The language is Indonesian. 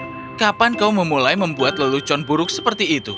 tapi kapan kau memulai membuat lelucon buruk seperti itu